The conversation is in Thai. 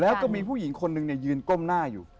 แล้วก็มีผู้หญิงคนหนึ่งยืนก้มหน้าอยู่